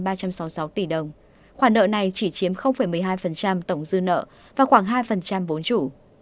khoản nợ này chỉ chiếm một mươi hai tổng dư nợ và khoảng hai vốn chủ